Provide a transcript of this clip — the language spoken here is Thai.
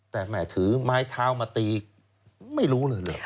แต่แหมถือไม้เท้ามาตีไม่รู้เลย